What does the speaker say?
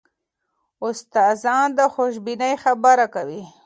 استادان د خوشبینۍ خبره کوي.